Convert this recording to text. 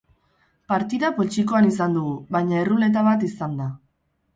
Partida poltsikoan izan dugu, baina erruleta bat izan da.